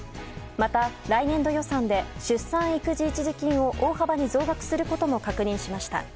また、来年度予算で出産育児一時金を大幅に増額することも確認しました。